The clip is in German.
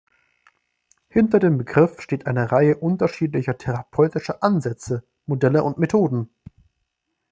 Hinter dem Begriff steht eine Reihe unterschiedlicher therapeutischer Ansätze, Modelle und Methoden.